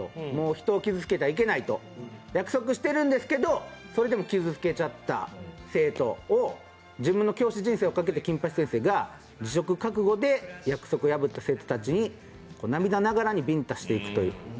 人を傷つけてはいけないと約束をしてるんですけど、それでも傷つけちゃった生徒を自分の教師人生をかけて金八先生が辞職覚悟で涙ながらにビンタしていくという。